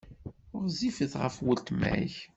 Ɣezzifet ɣef weltma-k.